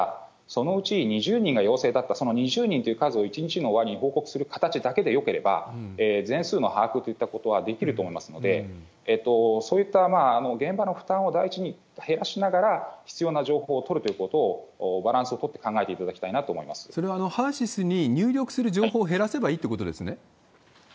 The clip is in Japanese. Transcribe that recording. そのうち２０人が陽性だった、その２０人という数を１日の終わりに報告する形だけでよければ、全数の把握といったことはできると思いますので、そういった現場の負担を第一に減らしながら、必要な情報を取るということをバランスを取っていただきたいなとそれはＨＥＲ−ＳＹＳに入力する情報を減らせばいいってことですね？